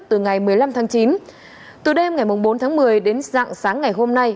từ ngày một mươi năm tháng chín từ đêm ngày bốn tháng một mươi đến dạng sáng ngày hôm nay